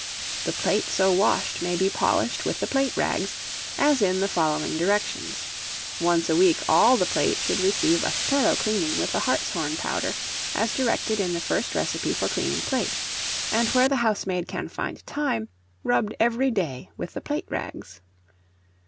The plate so washed may be polished with the plate rags, as in the following directions: Once a week all the plate should receive a thorough cleaning with the hartshorn powder, as directed in the first recipe for cleaning plate; and where the housemaid can find time, rubbed every day with the plate rags.